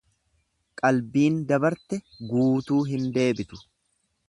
Qalbiin dabarte guutuu hin deebitu.